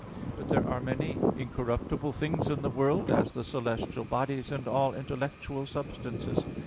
But there are many incorruptible things in the world, as the celestial bodies and all intellectual substances.